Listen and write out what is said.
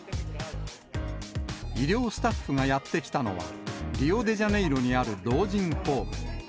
医療スタッフがやって来たのは、リオデジャネイロにある老人ホーム。